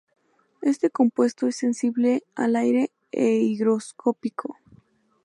Este compuesto es sensible al aire e higroscópico.